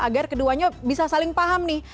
agar keduanya bisa saling paham nih